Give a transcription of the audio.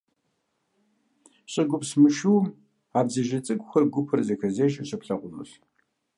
ЩӀыгупс мышыум а бдзэжьей цӀыкӀухэр гупурэ зэхэзежэу щыплъагъунущ.